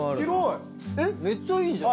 えっめっちゃいいじゃん。